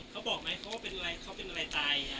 เค้าบอกไหมเค้าเป็นอะไรเค้าเป็นอะไรตาย